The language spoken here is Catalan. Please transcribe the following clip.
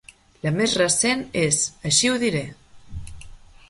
La més recent és "Així ho diré!"